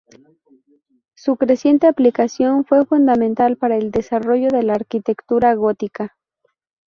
Su creciente aplicación fue fundamental para el desarrollo de la arquitectura gótica.